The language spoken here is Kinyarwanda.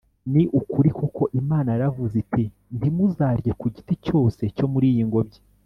” Ni ukuri koko Imana yaravuze iti, ntimuzarye ku giti cyose cyo muri iyi ngobyi?